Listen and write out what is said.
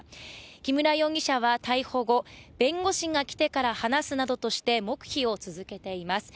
木村容疑者は逮捕後、弁護士が来てから話すなどとして黙秘を続けています。